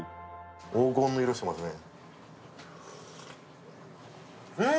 黄金の色してますね。